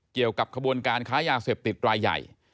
เกี่ยวกับขบวนการค้ายาเสพติดรายใหญ่